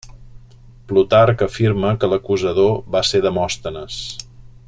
Plutarc afirma que l'acusador va ser Demòstenes.